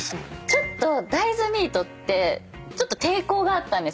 ちょっと大豆ミートって抵抗があったんですよ。